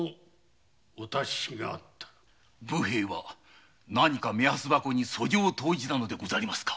武兵衛は何か目安箱に訴状を投じたのでござりますか？